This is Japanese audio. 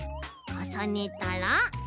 かさねたら？